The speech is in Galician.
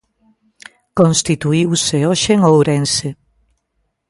Constituíuse hoxe en Ourense.